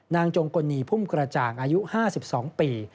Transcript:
จงกลนีพุ่มกระจ่างอายุ๕๒ปี